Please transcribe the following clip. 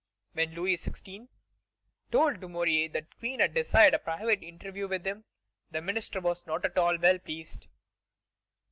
When Louis XVI. told Dumouriez that the Queen desired a private interview with him, the minister was not at all well pleased.